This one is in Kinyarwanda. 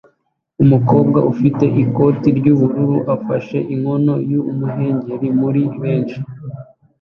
Umukobwa ufite ikoti ry'ubururu ufashe inkono y'umuhengeri muri benshi